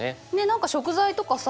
何か食材とかさ